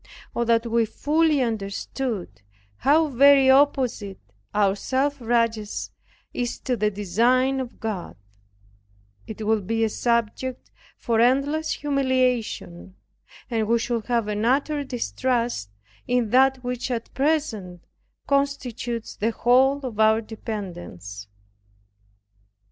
Oh, that we fully understood how very opposite our self righteousness is to the designs of God it would be a subject for endless humiliation, and we should have an utter distrust in that which at present constitutes the whole of our dependence.